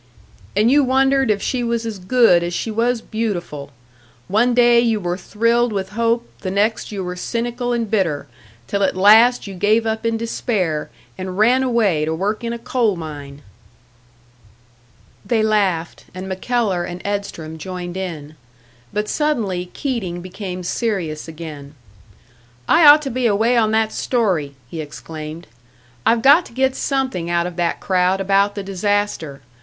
"And you wondered if she was as good as she was beautiful! One day you were thrilled with hope, the next you were cynical and bitter till at last you gave up in despair, and ran away to work in a coal mine!" They laughed, and MacKellar and Edstrom joined in. But suddenly Keating became serious again. "I ought to be away on that story!" he exclaimed. "I've got to get something out of that crowd about the disaster.